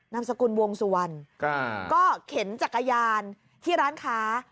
สกุลวงสุวรรณก็เข็นจักรยานที่ร้านค้า